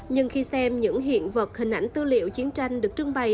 nhưng khi xem những hiện vật hình ảnh tư liệu chiến tranh được trưng bày